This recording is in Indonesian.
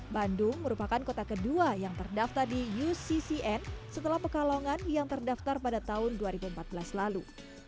bandung merupakan kota kedua yang terdaftar di uccn setelah pekalongan yang terdaftar pada tahun dua ribu empat belas lalu